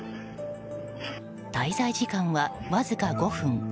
滞在時間はわずか５分。